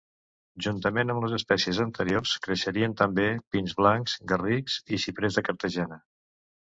Juntament amb les espècies anteriors creixerien també pins blancs, garrics i xiprers de Cartagena.